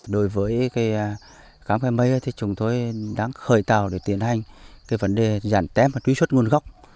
đối với cam khe mây thì chúng tôi đang khởi tàu để tiến hành cái vấn đề giảm tém và truy xuất nguồn gốc